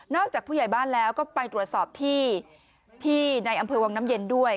จากผู้ใหญ่บ้านแล้วก็ไปตรวจสอบที่ในอำเภอวังน้ำเย็นด้วย